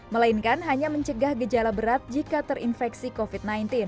melainkan hanya mencegah gejala berat jika terinfeksi covid sembilan belas